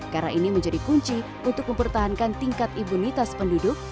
karena ini menjadi kunci untuk mempertahankan tingkat imunitas penduduk